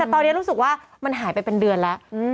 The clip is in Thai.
แต่ตอนนี้รู้สึกว่ามันหายไปเป็นเดือนแล้ว